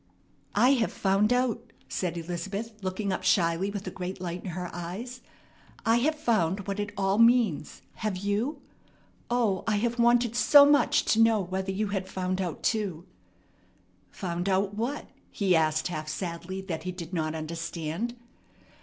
"I have found out," said Elizabeth, looking up shyly with a great light in her eyes. "I have found what it all means. Have you? O, I have wanted so much to know whether you had found out too!" "Found out what?" he asked half sadly that he did not understand.